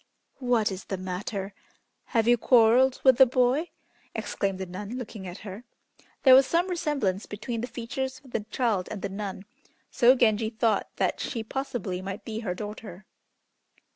"What is the matter? Have you quarrelled with the boy?" exclaimed the nun, looking at her. There was some resemblance between the features of the child and the nun, so Genji thought that she possibly might be her daughter.